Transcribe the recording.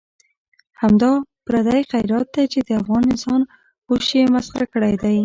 همدا پردی خیرات دی چې د افغان انسان هوش یې مسخره کړی دی.